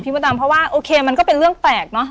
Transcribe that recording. มดดำเพราะว่าโอเคมันก็เป็นเรื่องแปลกเนอะ